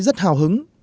rất hào hứng